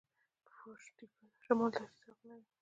قوش تیپه د شمال دښتې زرغونوي